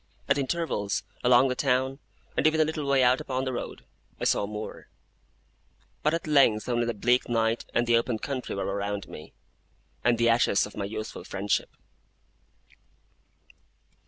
At intervals, along the town, and even a little way out upon the road, I saw more: but at length only the bleak night and the open country were around me, and the ashes of my youthful friendship.